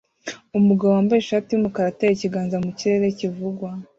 Umugabo wambaye ishati yumukara atera ikiganza mukirere kivugwa